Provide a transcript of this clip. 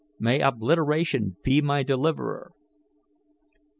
May obliteration be my deliverer!"